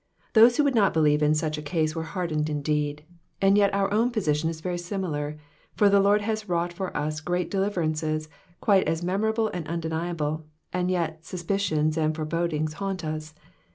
Those who would not believe in such a case were hardened indeed ; and yet our own position is very similar, for the Lord has wrought for us great deliverances, quite as memorable and undeniable, and yet suspicions and fore bodings haunt us.